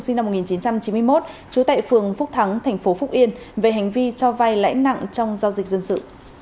sinh năm một nghìn chín trăm chín mươi một trú tại phường phúc thắng tp phúc yên về hành vi cho vai lãi nặng trong giao dịch dân sự